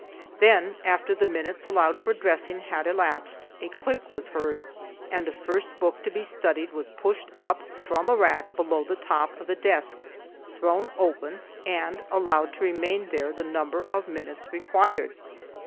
Then, after the minutes allowed for dressing had elapsed, a click was heard and the first book to be studied was pushed up from a rack below the top of the desk, thrown open, and allowed to remain there the number of minutes required.